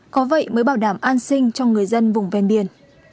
có vậy mới bảo đảm an sinh cho người dân vùng ven biển